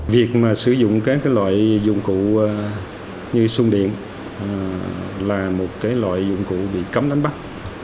việc sử dụng các loại dụng cụ như sung điện là một loại dụng cụ bị cấm đánh bắt